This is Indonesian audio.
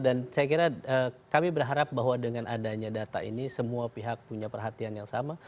dan saya kira kami berharap bahwa dengan adanya data ini semua pihak punya perhatian yang sama